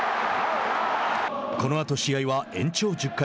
このあと、試合は延長１０回。